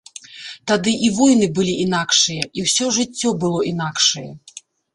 Тады і войны былі інакшыя, і ўсё жыццё было інакшае.